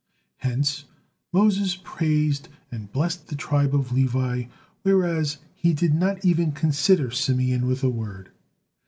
Hence Moses praised and blessed the tribe of Levi, whereas he did not even consider Simeon with a word.